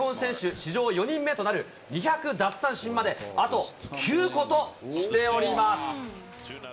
史上４人目となる２００奪三振まで、あと９個としております。